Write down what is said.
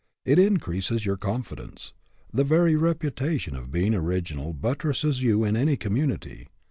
It increases your confidence. The very reputation of being original buttresses you in any community.